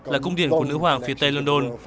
là cung điển của nữ hoàng phía tây london